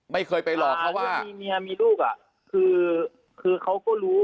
ไม่เคยไปหลอกเขาว่ามีเมียมีลูกอ่ะคือเขาก็รู้